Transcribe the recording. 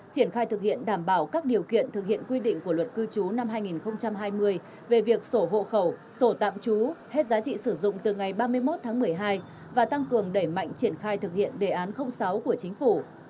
triển khai thực hiện đảm bảo các điều kiện thực hiện quy định của luật cư trú năm hai nghìn hai mươi về việc sổ hộ khẩu sổ tạm trú hết giá trị sử dụng từ ngày ba mươi một tháng một mươi hai và tăng cường đẩy mạnh triển khai thực hiện đề án sáu của chính phủ